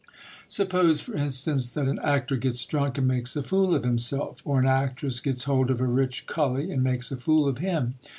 Suppose, for instance, that an actor gets drunk and makes a fool of himself, or an actress gets hold of a rich cully and makes a fool of him